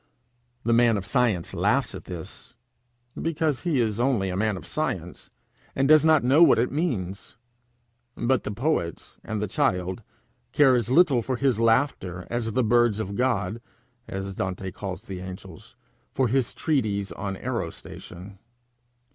The man of science laughs at this, because he is only a man of science, and does not know what it means; but the poet and the child care as little for his laughter as the birds of God, as Dante calls the angels, for his treatise on aerostation.